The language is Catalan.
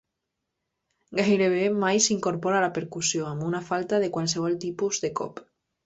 Gairebé mai s'incorpora la percussió, amb una falta de qualsevol tipus de cop.